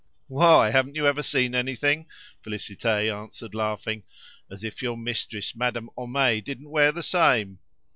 "Why, haven't you ever seen anything?" Félicité answered laughing. "As if your mistress, Madame Homais, didn't wear the same."